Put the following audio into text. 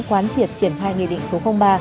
quán triệt triển khai nghị định số ba